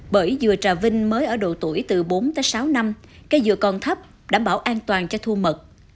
bởi dừa trà vinh mới ở độ tuổi từ bốn tới sáu năm cây dừa còn thấp đảm bảo an toàn cho thu mật